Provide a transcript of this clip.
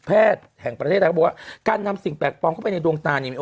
พรุ่งนี้มาค่อยมาถามพี่อีกที